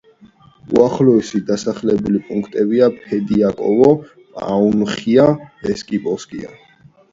უახლოესი დასახლებული პუნქტებია: ფედიაკოვო, პაუნიხა, ესიპოვსკაია.